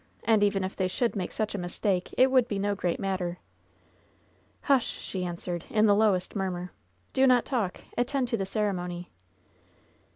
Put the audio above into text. And even if they should make such a mistake, it would be no great mat ter!" "Hush I" she answered, in the lowest murmur. *TDo not talk I Attend to the ceremony."